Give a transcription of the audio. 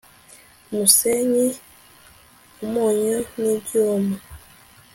umusenyi, umunyu n'ibyuma